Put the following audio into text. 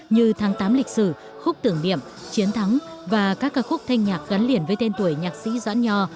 như tháng tám lịch sử khúc tưởng niệm chiến thắng và các ca khúc thanh nhạc gắn liền với tên tuổi nhạc sĩ doãn nho